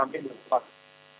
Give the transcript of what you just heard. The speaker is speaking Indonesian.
sampai di tempat